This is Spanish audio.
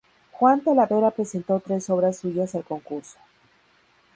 Juan Talavera presentó tres obras suyas al concurso.